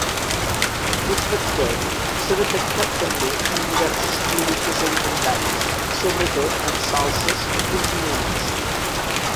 Aquest bacteri s'ha detectat també en diversos productes alimentaris, sobretot en salses i condiments.